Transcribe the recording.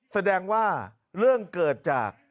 แสดงว่าเรื่องเกิดจาก